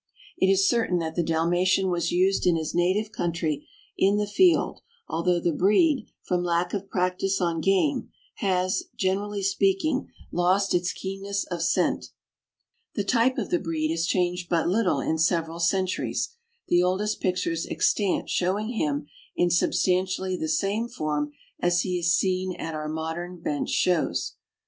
It is certain that the Dalmatian was used in his native country in the field, although the breed, from lack of practice on game, has, generally speaking, lost its keenness of scent. The type of the breed has changed but little in several centuries, the oldest pictures extant showing him in sub stantially the same form as he is seen at our modern bench shows.